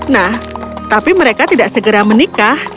nah tapi mereka tidak segera menikah